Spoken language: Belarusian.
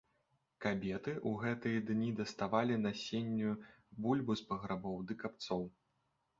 Кабеты ў гэтыя дні даставалі насенную бульбу з паграбоў ды капцоў.